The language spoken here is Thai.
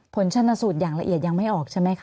ผลชนสูตรอย่างละเอียดยังไม่ออกใช่ไหมคะ